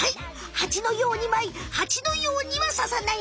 ハチのようにまいハチのようにはささない